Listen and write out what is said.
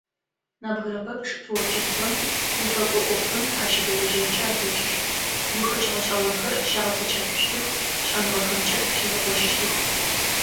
Нэбгырэ пэпчъ творчествэм, гуфэкӏо ӏофым ащыдэлэжьэнхэ алъэкӏыщт, гукъэкӏ гъэшӏэгъонхэр щагъэцэкӏэшъущтых, шӏэныгъэхэмкӏэ щызэхъожьыщтых.